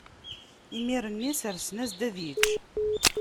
Imir-nni sersen-as-d ad yečč.